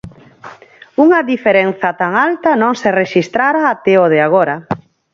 Unha diferenza tan alta non se rexistrara até o de agora.